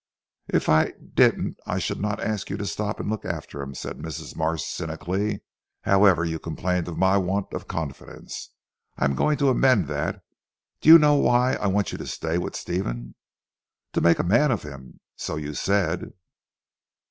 "If I didn't I should not ask you to stop and look after him," said Mrs. Marsh cynically. "However, you complained of my want of confidence. I am going to amend that. Do you know why I want you to stay with Stephen." "To make a man of him so you said."